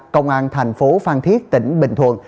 công an thành phố phan thiết tỉnh bình thuận